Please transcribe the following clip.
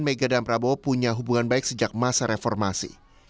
mega dan prabowo punya hubungan baik sejak masa reformasi